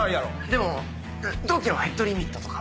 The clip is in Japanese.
でも同期のヘッドリミットとかは。